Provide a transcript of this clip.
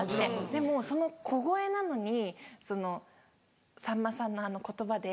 でもその小声なのにそのさんまさんのあの言葉で。